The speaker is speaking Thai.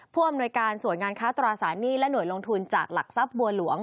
ผู้อำนวยการส่วนงานค้าตราสารหนี้และหน่วยลงทุนจากหลักทรัพย์บัวหลวง